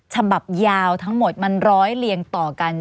ฉบับยาวทั้งหมดมันร้อยเรียงต่อกัน